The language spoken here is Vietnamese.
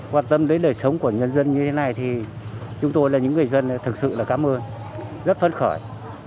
quan tâm đến đời sống của nhân dân như thế này thì chúng tôi là những người dân thực sự là cảm ơn rất phấn khởi